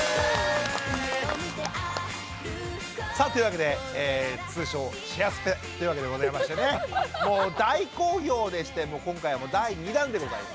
さあというわけで通称「シェアスペ」というわけでございましてねもう大好評でして今回は第２弾でございます。